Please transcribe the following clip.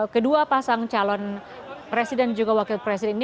kedua pasang calon presiden juga wakil presiden ini